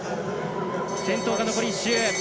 先頭が残り１周。